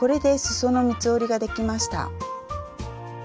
その三つ折りができました。